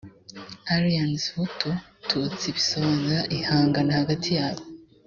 aryens hutu tutsi bisobanura ihangana hagati ya bo